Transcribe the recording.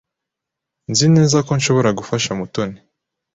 Nzi neza ko nshobora gufasha Mutoni.